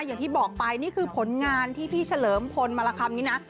อย่างที่บอกไปนี่คือผลงานที่พี่เฉลิมพลมารคำนี้นะ